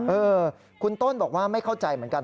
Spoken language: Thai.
เออคุณต้นบอกว่าไม่เข้าใจเหมือนกัน